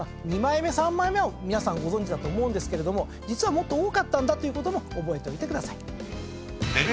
二枚目三枚目は皆さんご存じだと思うんですけれども実はもっと多かったことも覚えといてください。